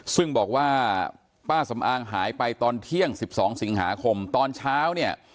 ซึ่งบอกว่าป้าสำอางหายไปตอนเที่ยง๑๒สิงหาคมตอนเช้าเนี่ย